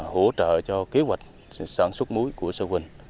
hỗ trợ cho kế hoạch sản xuất mối của sa huỳnh